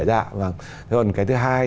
thế còn cái thứ hai